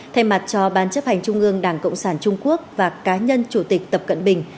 thay mặt cho ban chấp hành trung ương đảng cộng sản trung quốc và cá nhân chủ tịch tập cận bình